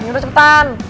ini udah cepetan